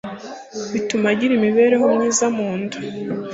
bituma agira imibereho myiza mu nda